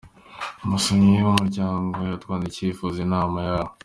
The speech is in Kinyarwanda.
Umusomyi w’ Umuryango yatwandikiye yifuza inama yawe.